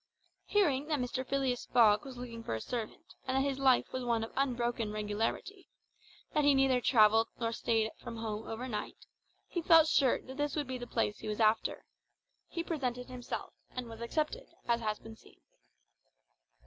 Hearing that Mr. Phileas Fogg was looking for a servant, and that his life was one of unbroken regularity, that he neither travelled nor stayed from home overnight, he felt sure that this would be the place he was after. He presented himself, and was accepted, as has been seen.